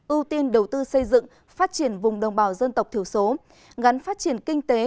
ưu tiên đầu tư xây dựng phát triển vùng đồng bào dân tộc thiểu số gắn phát triển kinh tế